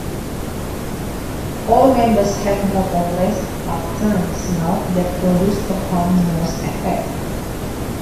All members have more or less upturned snouts that produce a hump-nosed effect.